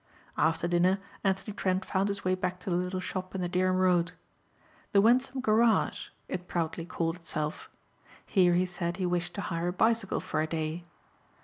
After dinner Anthony Trent found his way back to the little shop in the Dereham Road. "The Wensum Garage" it proudly called itself. Here he said he wished to hire a bicycle for a day.